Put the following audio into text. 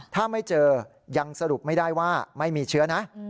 ถ้าไม่เจอยังสรุปไม่ได้ว่าไม่มีเชื้อนะ